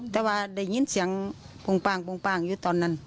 แต่ว่าได้ยินเสียงปุ้งป้างอยู่ตอนนั้น